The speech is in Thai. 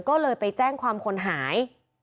ก็เลยไปแจ้งความคนหาย